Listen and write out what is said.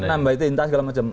nambah itu intas segala macam